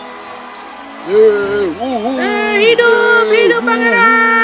hei hidup hidup pangeran